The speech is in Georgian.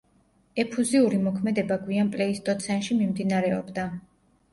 ეფუზიური მოქმედება გვიან პლეისტოცენში მიმდინარეობდა.